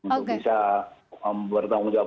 untuk bisa bertanggung jawab